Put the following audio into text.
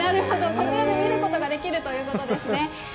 こちらも見ることができるということですね。